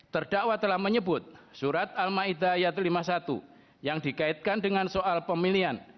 terdakwa telah menyebut surat al ⁇ maidah ⁇ yat lima puluh satu yang dikaitkan dengan soal pemilihan